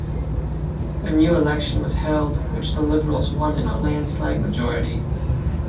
A new election was held, which the Liberals won in a landslide majority.